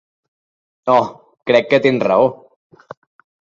Oh, crec que tens raó.